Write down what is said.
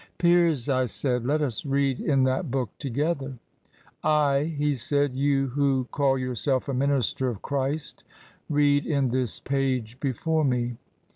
"* Piers/ I said, ' let us read in that book together.' "' Ay/ he said ;' you who call yourself a minister of Christ, read in this page before me.'